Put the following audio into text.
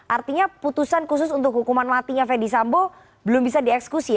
artinya putusan khusus untuk hukuman matinya fendi sambo belum bisa dieksekusi